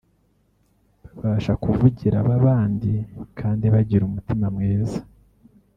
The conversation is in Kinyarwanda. babasha kuvugira ababandi kandi bagira n’umutima mwiza